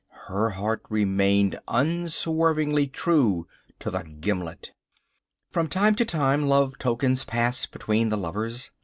Her heart remained unswervingly true to the Gimlet. From time to time love tokens passed between the lovers.